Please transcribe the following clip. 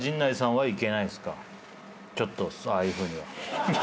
ちょっとああいうふうには。